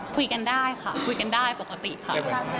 คุยกันได้ค่ะคุยกันได้ปกติค่ะ